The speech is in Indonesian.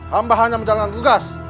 hamba hanya menjalankan tugas